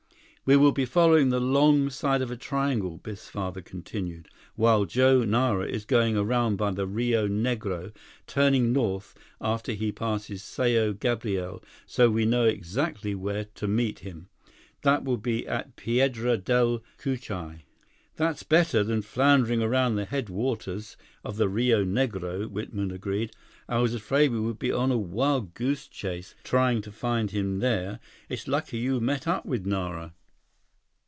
"We will be following the long side of a triangle," Biff's father continued, "while Joe Nara is going around by the Rio Negro, turning north after he passes Sao Gabriel. But we now know exactly where to meet him. That will be at Piedra Del Cucuy." "That's better than floundering around the headwaters of the Rio Negro," Whitman agreed. "I was afraid we would be on a wild goose chase, trying to find him there. It's lucky that you met up with Nara."